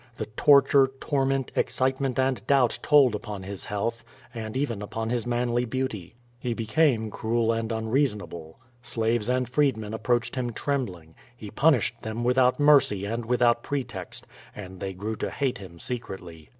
The torture, torment, excitement and doubt told upon his health, and even upon his manly beauty. He be came cruel and unreasonable. Slaves and freedmen ap proached him trembling. He. punished them without mercy and without pretext, and they grew to hate him secretly.